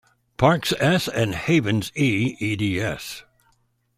Parks, S., and Havens, E. eds.